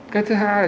cái thứ hai là